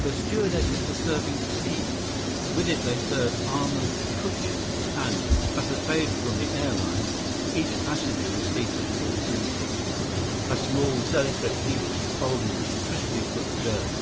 The stewardesses were serving tea. With it they served almond cookies and, as a favor from the air lines, each passenger received a fortune cooky, a small delicate piece of folded, crisply cooked dough.